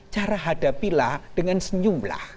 cara hadapilah dengan senyum lah